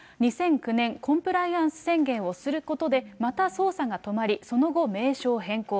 ２００９年、コンプライアンス宣言をすることでまた捜査が止まり、その後、名称変更。